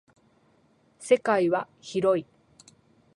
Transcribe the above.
世界は広い。